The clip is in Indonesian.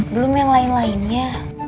belum yang lain lainnya